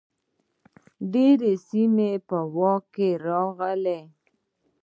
ډیرې سیمې په واک کې راغلې.